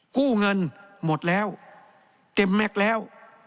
กู้เงินหมดแล้วเต็มแม็กซ์แล้ว